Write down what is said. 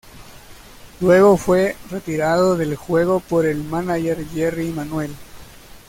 Luego fue retirado del juego por el mánager "Jerry Manuel".